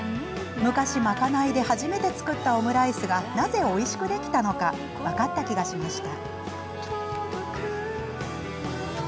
昔、賄いで初めて作ったオムライスがなぜおいしくできたのか分かった気がしました。